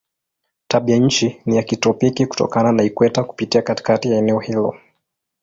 Tabianchi ni ya kitropiki kutokana na ikweta kupita katikati ya eneo hilo.